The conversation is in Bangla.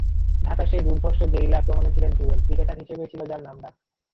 ঢাকার সেই দুর্ধর্ষ গেরিলা আক্রমণে ছিলেন জুয়েল, ক্রিকেটার হিসেবেই ছিল যাঁর নামডাক।